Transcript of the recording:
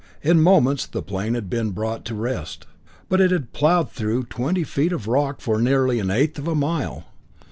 In moments the plane had been brought to rest, but it had plowed through twenty feet of rock for nearly an eighth of a mile.